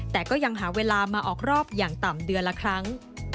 แต่ก็ยังหาเวลามาออกรอบอย่างต่ำเดือนละครั้ง